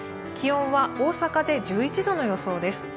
気温は大阪で１１度の予想です。